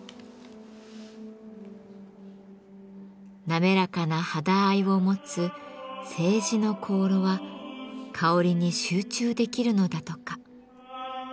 滑らかな肌合いを持つ青磁の香炉は香りに集中できるのだとか。